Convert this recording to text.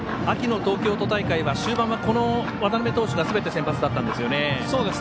秋の東京都大会は終盤は、渡邊投手がすべて先発だったんですよね。